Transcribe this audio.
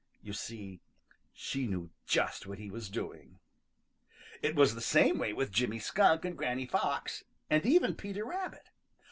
You see, she knew just what he was doing. It was the same way with Jimmy Skunk and Granny Fox and even Peter Rabbit.